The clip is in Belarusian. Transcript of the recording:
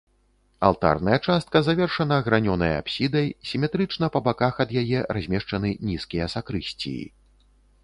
Алтарная частка завершана гранёнай апсідай, сіметрычна па баках ад яе размешчаны нізкія сакрысціі.